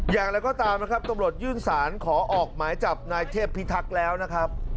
อย่างไรก็ตามนะครับตำรวจยื่นสารขอออกหมายจับนายเทพพิทักษ์แล้วนะครับ